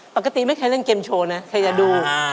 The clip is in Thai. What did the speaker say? ปกติไม่เคยเล่นเกมโชว์นะใครจะดู